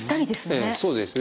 ええそうですね。